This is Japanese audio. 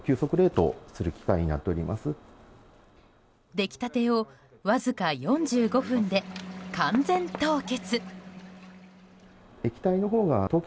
出来たてをわずか４５分で完全凍結。